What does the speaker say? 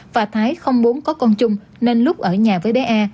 và thái không muốn có con chung nên lúc ở nhà với bé e